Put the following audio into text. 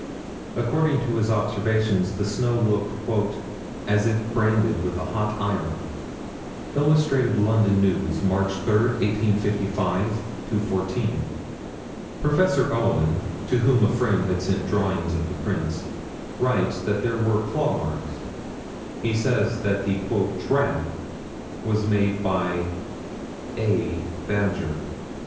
According to his observations the snow looked "as if branded with a hot iron." Illustrated London News, March 3, 1855 214: Prof. Owen, to whom a friend had sent drawings of the prints, writes that there were claw marks. He says that the "track" was made by "a" badger.